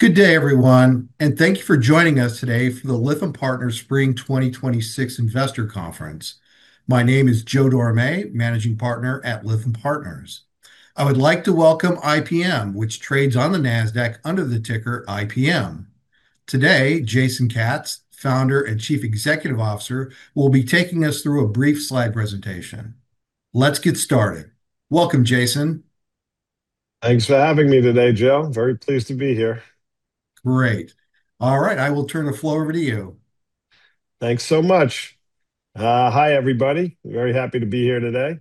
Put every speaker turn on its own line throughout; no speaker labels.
Good day, everyone. Thank you for joining us today for the Lytham Partners Spring 2026 Investor Conference. My name is Joe Dorame, Managing Partner at Lytham Partners. I would like to welcome IPM, which trades on the Nasdaq under the ticker IPM. Today, Jason Katz, Founder and Chief Executive Officer, will be taking us through a brief slide presentation. Let's get started. Welcome, Jason.
Thanks for having me today, Joe. Very pleased to be here.
Great. All right, I will turn the floor over to you.
Thanks so much. Hi, everybody. Very happy to be here today.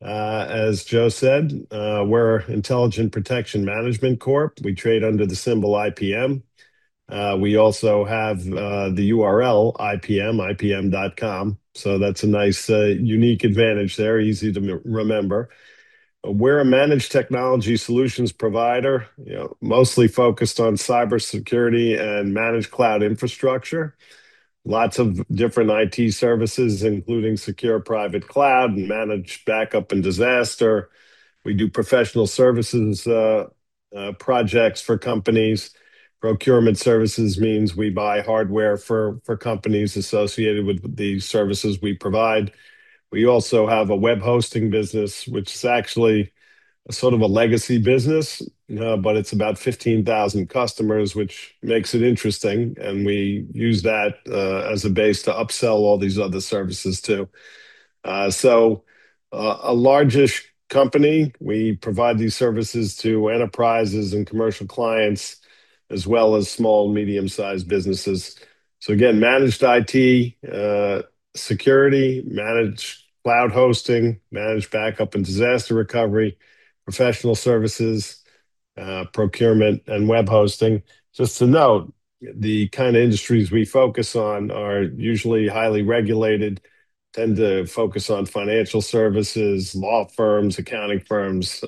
As Joe said, we're Intelligent Protection Management Corp. We trade under the symbol IPM. We also have the URL ipm.com. That's a nice, unique advantage there, easy to remember. We're a managed technology solutions provider, mostly focused on cybersecurity and managed cloud infrastructure, lots of different IT services, including secure private cloud and managed backup and disaster. We do professional services, projects for companies. Procurement services means we buy hardware for companies associated with the services we provide. We also have a web hosting business, which is actually a sort of a legacy business. It's about 15,000 customers, which makes it interesting, and we use that as a base to upsell all these other services, too. A largish company. We provide these services to enterprises and commercial clients, as well as small, medium-sized businesses. Again, managed IT, security, managed cloud hosting, managed backup and disaster recovery, professional services, procurement, and web hosting. Just to note, the kind of industries we focus on are usually highly regulated, tend to focus on financial services, law firms, accounting firms,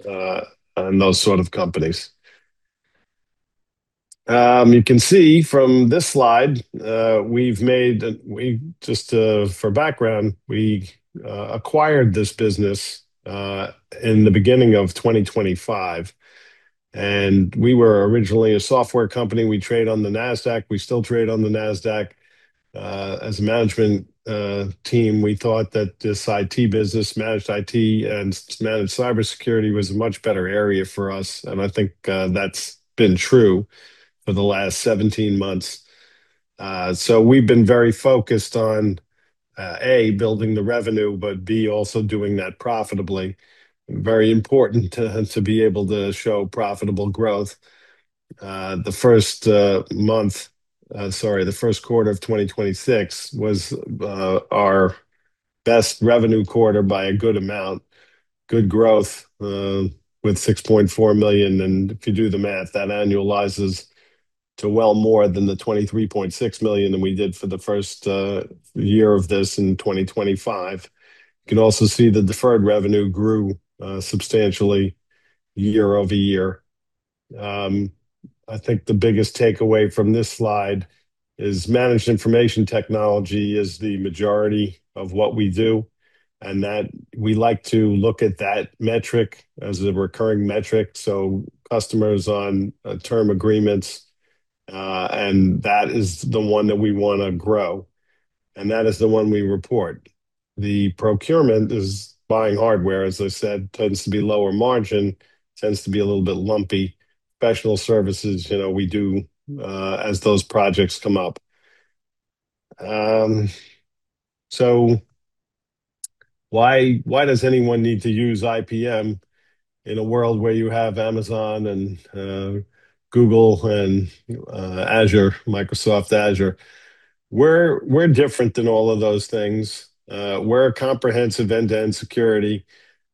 and those sort of companies. You can see from this slide, just for background, we acquired this business in the beginning of 2025, and we were originally a software company. We trade on the Nasdaq. We still trade on the Nasdaq. As a management team, we thought that this IT business, managed IT and managed cybersecurity was a much better area for us, and I think that's been true for the last 17 months. We've been very focused on, A, building the revenue, but B, also doing that profitably. Very important to be able to show profitable growth. The first quarter of 2026 was our best revenue quarter by a good amount, good growth, with $6.4 million. If you do the math, that annualizes to well more than the $23.6 million than we did for the first year of this in 2025. You can also see the deferred revenue grew substantially year-over-year. I think the biggest takeaway from this slide is managed information technology is the majority of what we do, and that we like to look at that metric as a recurring metric, so customers on term agreements, and that is the one that we want to grow, and that is the one we report. The procurement is buying hardware, as I said, tends to be lower margin, tends to be a little bit lumpy. Professional services, we do as those projects come up. Why does anyone need to use IPM in a world where you have Amazon and Google and Azure, Microsoft Azure? We're different than all of those things. We're a comprehensive end-to-end security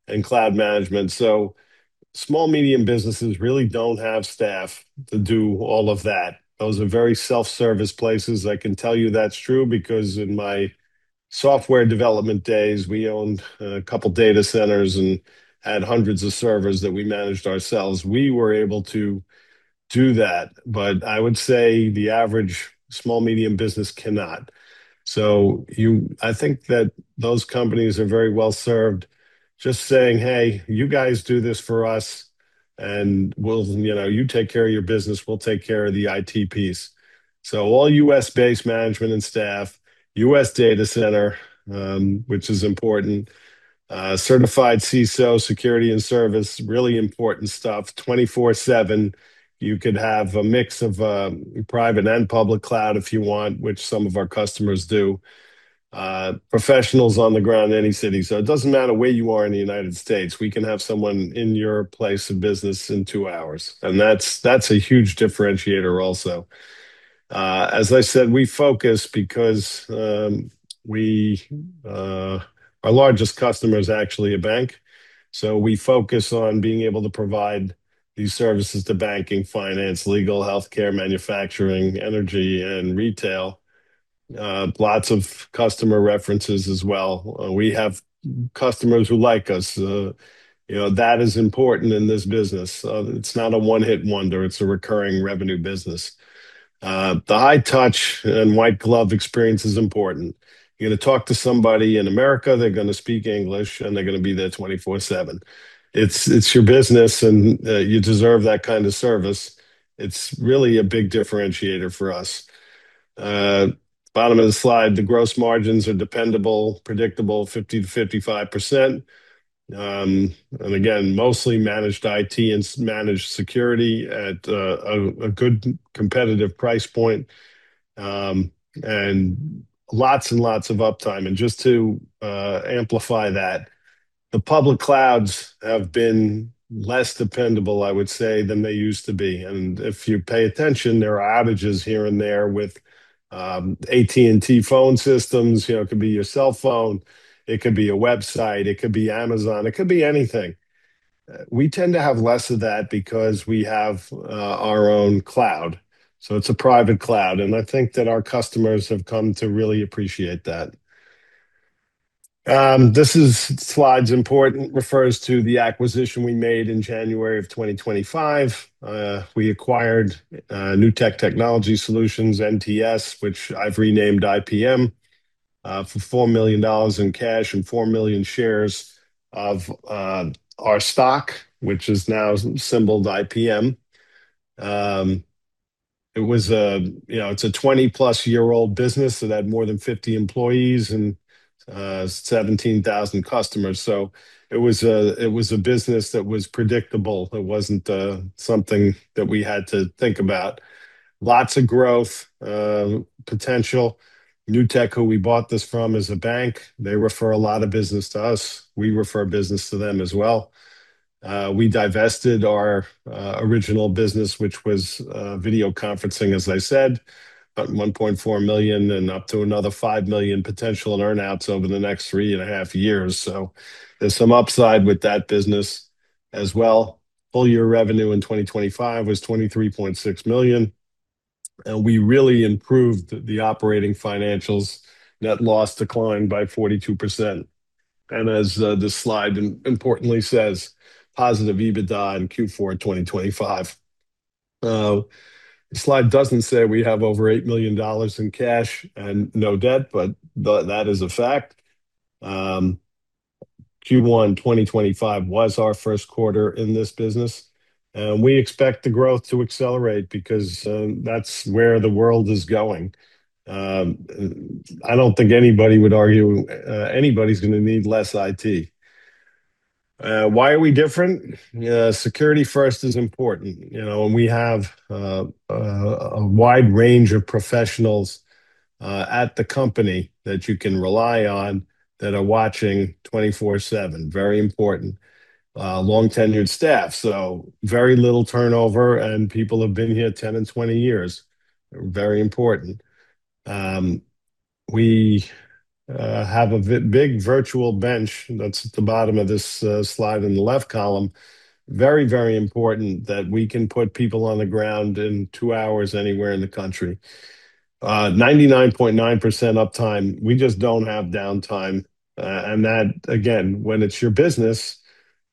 and cloud management. Small, medium businesses really don't have staff to do all of that. Those are very self-service places. I can tell you that's true because in my software development days, we owned a couple data centers and had hundreds of servers that we managed ourselves. We were able to do that, but I would say the average small, medium business cannot. I think that those companies are very well-served just saying, Hey, you guys do this for us and you take care of your business, we'll take care of the IT piece. All U.S.-based management and staff, U.S. data center, which is important, certified CISO, security, and service, really important stuff, 24/7. You could have a mix of private and public cloud if you want, which some of our customers do. Professionals on the ground, any city. It doesn't matter where you are in the United States, we can have someone in your place of business in two hours, and that's a huge differentiator also. As I said, our largest customer is actually a bank, so we focus on being able to provide these services to banking, finance, legal, healthcare, manufacturing, energy, and retail. Lots of customer references as well. We have customers who like us. That is important in this business. It's not a one-hit wonder. It's a recurring revenue business. The high-touch and white glove experience is important. You're going to talk to somebody in America, they're going to speak English, and they're going to be there 24/7. It's your business, and you deserve that kind of service. It's really a big differentiator for us. Bottom of the slide, the gross margins are dependable, predictable, 50%-55%. Again, mostly managed IT and managed security at a good competitive price point, and lots and lots of uptime. Just to amplify that, the public clouds have been less dependable, I would say, than they used to be. If you pay attention, there are outages here and there with AT&T phone systems. It could be your cell phone, it could be a website, it could be Amazon, it could be anything. We tend to have less of that because we have our own cloud, so it's a private cloud. I think that our customers have come to really appreciate that. This slide's important, refers to the acquisition we made in January of 2025. We acquired Newtek Technology Solutions, NTS, which I've renamed IPM, for $4 million in cash and 4 million shares of our stock, which is now symbolled IPM. It's a 20-plus-year-old business that had more than 50 employees and 17,000 customers. It was a business that was predictable. It wasn't something that we had to think about. Lots of growth potential. Newtek, who we bought this from, is a bank. They refer a lot of business to us. We refer business to them as well. We divested our original business, which was video conferencing, as I said, $1.4 million and up to another $5 million potential in earn-outs over the next three and a half years. There's some upside with that business as well. Full-year revenue in 2025 was $23.6 million. We really improved the operating financials. Net loss declined by 42%. As this slide importantly says, positive EBITDA in Q4 2025. Slide doesn't say we have over $8 million in cash and no debt, but that is a fact. Q1 2025 was our first quarter in this business, and we expect the growth to accelerate because that's where the world is going. I don't think anybody would argue anybody's going to need less IT. Why are we different? Security first is important. We have a wide range of professionals at the company that you can rely on that are watching 24/7. Very important. Long-tenured staff, so very little turnover, and people have been here 10 and 20 years. Very important. We have a big virtual bench, that's at the bottom of this slide in the left column. Very, very important that we can put people on the ground in two hours anywhere in the country. 99.9% uptime. We just don't have downtime. That, again, when it's your business,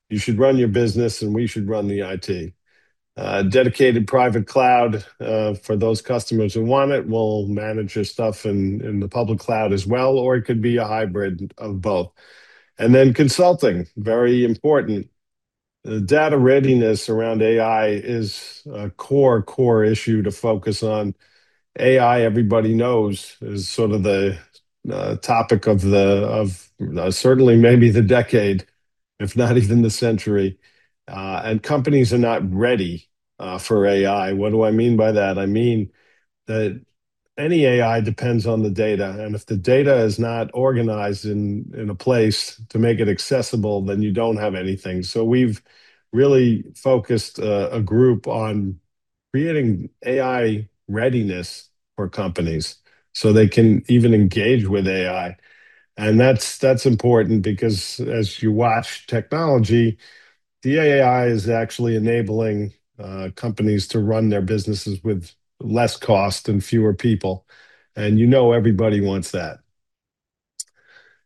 you should run your business, and we should run the IT. Dedicated private cloud, for those customers who want it. We'll manage your stuff in the public cloud as well, or it could be a hybrid of both. Consulting, very important. Data readiness around AI is a core issue to focus on. AI, everybody knows, is sort of the topic of certainly maybe the decade, if not even the century. Companies are not ready for AI. What do I mean by that? I mean that any AI depends on the data, and if the data is not organized in a place to make it accessible, then you don't have anything. We've really focused a group on creating AI readiness for companies so they can even engage with AI. That's important because as you watch technology, the AI is actually enabling companies to run their businesses with less cost and fewer people. You know everybody wants that.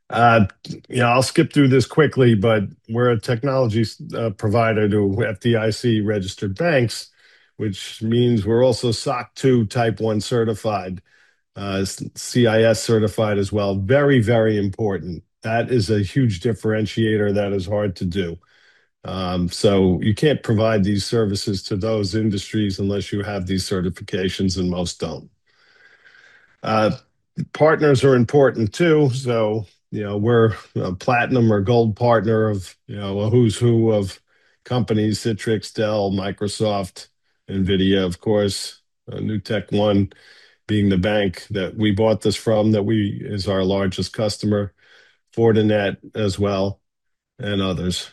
I'll skip through this quickly, we're a technology provider to FDIC-registered banks, which means we're also SOC 2 Type 1 certified, CIS certified as well. Very, very important. That is a huge differentiator that is hard to do. You can't provide these services to those industries unless you have these certifications, and most don't. Partners are important, too. We're a platinum or gold partner of a who's who of companies, Citrix, Dell, Microsoft, Nvidia, of course. NewtekOne being the bank that we bought this from, that is our largest customer. Fortinet as well, and others.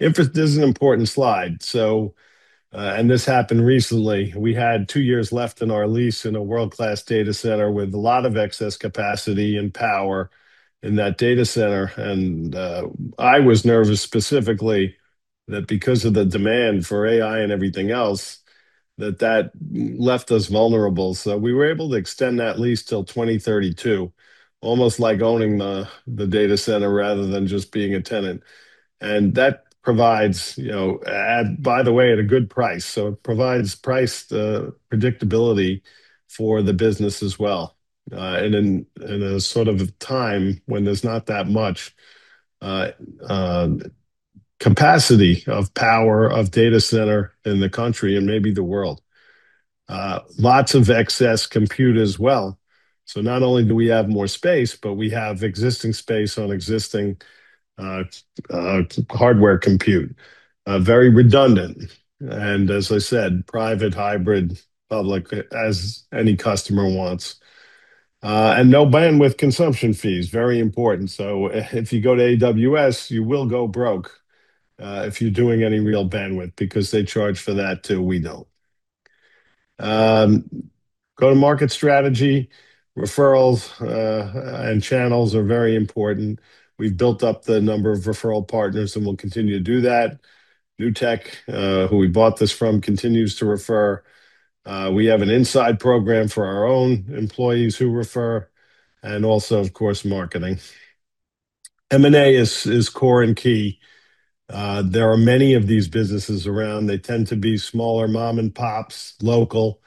This is an important slide. This happened recently. We had two years left in our lease in a world-class data center with a lot of excess capacity and power in that data center, I was nervous specifically that because of the demand for AI and everything else, that that left us vulnerable. We were able to extend that lease till 2032, almost like owning the data center rather than just being a tenant. By the way, at a good price. It provides price predictability for the business as well. In a sort of time when there's not that much capacity of power of data center in the country and maybe the world. Lots of excess compute as well. Not only do we have more space, but we have existing space on existing hardware compute, very redundant. As I said, private, hybrid, public, as any customer wants. No bandwidth consumption fees, very important. If you go to AWS, you will go broke, if you're doing any real bandwidth, because they charge for that too. We don't. Go-to-market strategy, referrals, and channels are very important. We've built up the number of referral partners, and we'll continue to do that. Newtek, who we bought this from, continues to refer. We have an inside program for our own employees who refer, and also, of course, marketing. M&A is core and key. There are many of these businesses around. They tend to be smaller mom and pops, local.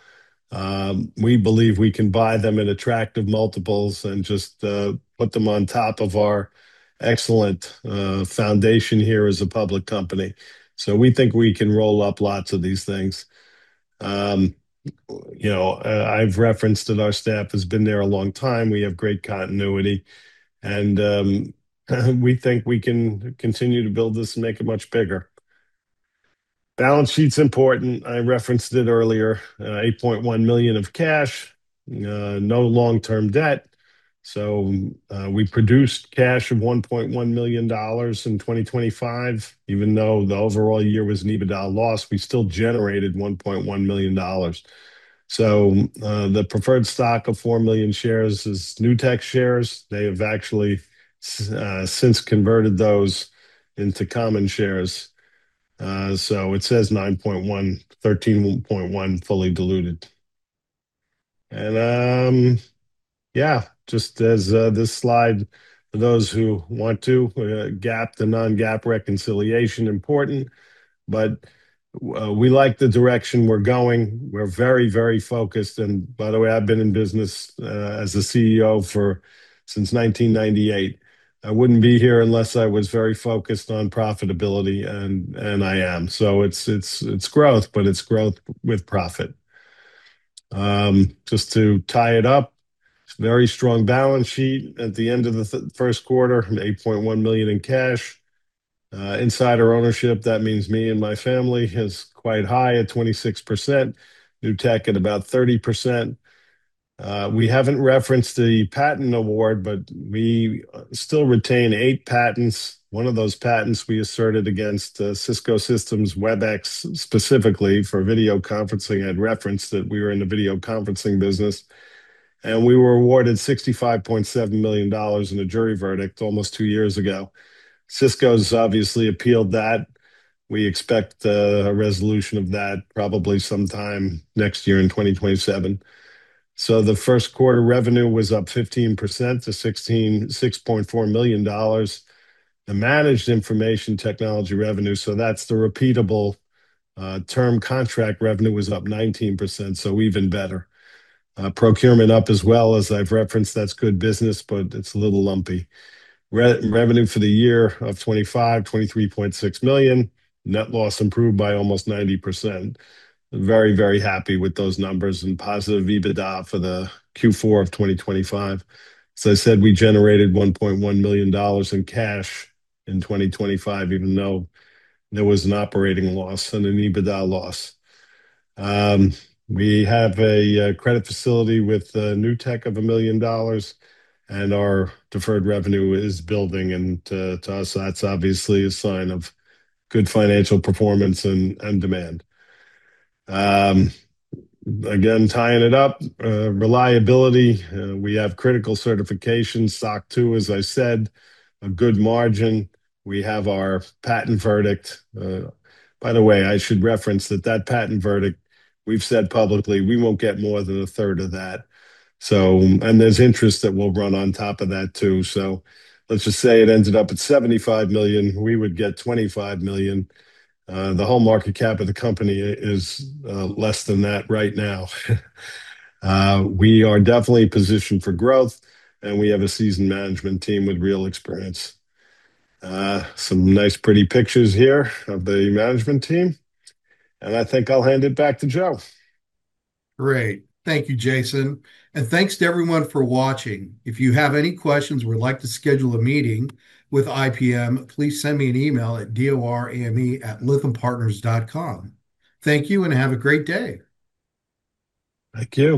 We believe we can buy them at attractive multiples and just put them on top of our excellent foundation here as a public company. We think we can roll up lots of these things. I've referenced that our staff has been there a long time. We have great continuity, and we think we can continue to build this and make it much bigger. Balance sheet's important. I referenced it earlier, $8.1 million of cash, no long-term debt. We produced cash of $1.1 million in 2025, even though the overall year was an EBITDA loss, we still generated $1.1 million. The preferred stock of 4 million shares is Newtek shares. They have actually since converted those into common shares. It says 13.1 fully diluted. Just as this slide, for those who want to, GAAP to non-GAAP reconciliation important. We like the direction we're going. We're very focused. By the way, I've been in business as a CEO since 1998. I wouldn't be here unless I was very focused on profitability, and I am. It's growth, but it's growth with profit. Just to tie it up, very strong balance sheet at the end of the first quarter, $8.1 million in cash. Insider ownership, that means me and my family, is quite high at 26%, Newtek at about 30%. We haven't referenced the patent award. We still retain eight patents. One of those patents we asserted against Cisco Systems Webex, specifically for video conferencing. I'd referenced that we were in the video conferencing business. We were awarded $65.7 million in a jury verdict almost two years ago. Cisco's obviously appealed that. We expect a resolution of that probably sometime next year in 2027. The first quarter revenue was up 15% to $6.4 million. The managed information technology revenue, that's the repeatable term contract revenue, was up 19%, even better. Procurement up as well. As I've referenced, that's good business. It's a little lumpy. Revenue for the year of 2025, $23.6 million. Net loss improved by almost 90%. Very, very happy with those numbers and positive EBITDA for the Q4 of 2025. I said we generated $1.1 million in cash in 2025, even though there was an operating loss and an EBITDA loss. We have a credit facility with Newtek of $1 million, and our deferred revenue is building, and to us, that's obviously a sign of good financial performance and demand. Again, tying it up, reliability. We have critical certification, SOC 2, as I said, a good margin. We have our patent verdict. By the way, I should reference that that patent verdict, we've said publicly, we won't get more than a third of that. There's interest that will run on top of that too. Let's just say it ended up at $75 million, we would get $25 million. The whole market cap of the company is less than that right now. We are definitely positioned for growth. We have a seasoned management team with real experience. Some nice pretty pictures here of the management team. I think I'll hand it back to Joe.
Great. Thank you, Jason, and thanks to everyone for watching. If you have any questions or would like to schedule a meeting with IPM, please send me an email at dorame@lythampartners.com. Thank you, and have a great day.
Thank you.